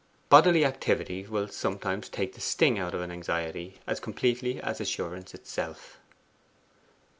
Bodily activity will sometimes take the sting out of anxiety as completely as assurance itself.